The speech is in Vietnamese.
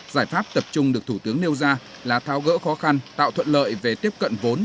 giải pháp tập trung được thủ tướng nêu ra là thao gỡ khó khăn tạo thuận lợi về tiếp cận vốn